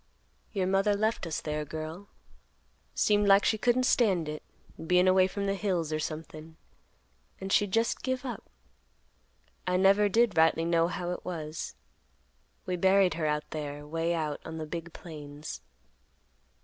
"Your mother left us there, girl. Seemed like she couldn't stand it, bein' away from the hills or somethin', and she just give up. I never did rightly know how it was. We buried her out there, way out on the big plains."